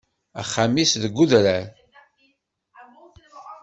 Axxam-is deg udrar.